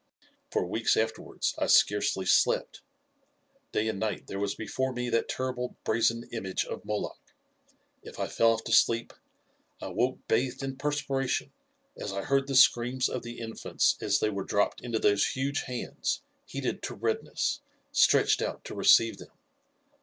For weeks afterwards I scarcely slept; day and night there was before me that terrible brazen image of Moloch. If I fell off to sleep, I woke bathed in perspiration as I heard the screams of the infants as they were dropped into those huge hands, heated to redness, stretched out to receive them.